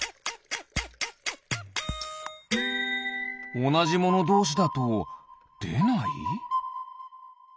おなじものどうしだとでない？